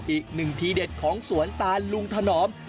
อีกหนึ่งทีเด็ดของสวนตาลุงถนอม